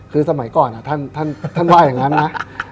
คือสมัยก่อนท่านว่าอย่างนั้นนะ